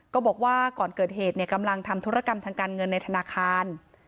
บอกว่าก่อนเกิดเหตุกำลังทำธุรกรรมทางการเงินในธนาคาร